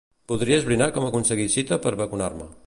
Voldria esbrinar com aconseguir cita per vacunar-me.